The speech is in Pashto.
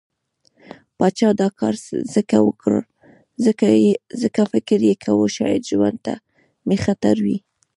پاچا دا کار ځکه وکړ، ځکه فکر يې کوه شايد ژوند ته مې خطر وي.